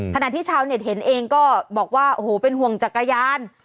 ขณะที่ชาวเน็ตเห็นเองก็บอกว่าโอ้โหเป็นห่วงจักรยาน